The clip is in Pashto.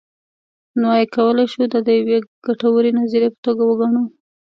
نو ایا کولی شو دا د یوې ګټورې نظریې په توګه وګڼو.